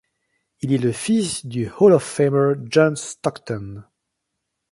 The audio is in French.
Il est le fils du Hall of Famer John Stockton.